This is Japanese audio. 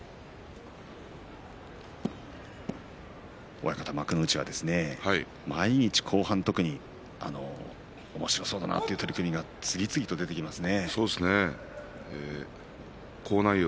親方、幕内は毎日後半は特におもしろそうな取組が次々と出てきますね。